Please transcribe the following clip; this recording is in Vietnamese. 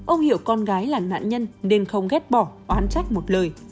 ông hiểu con gái là nạn nhân nên không ghép bỏ oán trách một lời